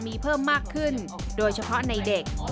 มีเพิ่มมากขึ้นโดยเฉพาะในเด็ก